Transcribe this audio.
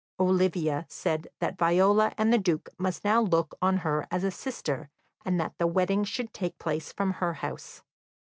Olivia said that Viola and the Duke must now look on her as a sister, and that the wedding should take place from her house.